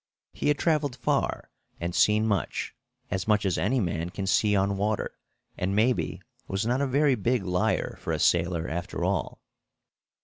He had traveled far and seen much, as much as any man can see on water, and maybe was not a very big liar, for a sailor, after all.